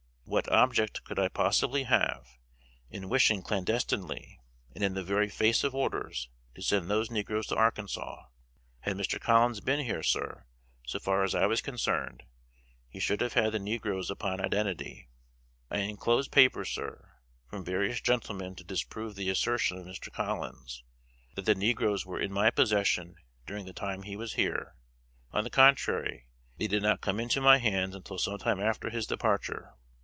What object could I possibly have in wishing clandestinely, and in the very face of orders, to send those negroes to Arkansas? Had Mr. Collins been here, sir, so far as I was concerned, he should have had the negroes upon identity. I enclose papers, sir, from various gentlemen to disprove the assertion of Mr. Collins, 'that the negroes were in my possession during the time he was here;' on the contrary, they did not come into my hands until some time after his departure.